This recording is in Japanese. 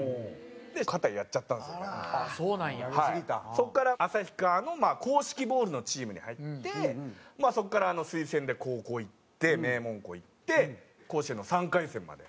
そこから旭川の硬式ボールのチームに入ってそこから推薦で高校行って名門校行って甲子園の３回戦まで。